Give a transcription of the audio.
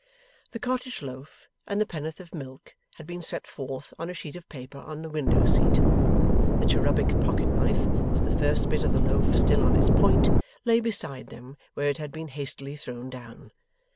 The cottage loaf and the pennyworth of milk had been set forth on a sheet of paper on the window seat. The cherubic pocket knife, with the first bit of the loaf still on its point, lay beside them where it had been hastily thrown down.